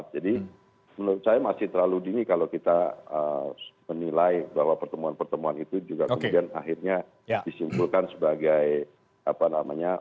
jadi menurut saya masih terlalu dini kalau kita menilai bahwa pertemuan pertemuan itu juga kemudian akhirnya disimpulkan sebagai apa namanya